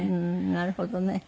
なるほどね。